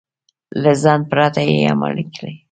له ځنډ پرته يې عملي کړئ.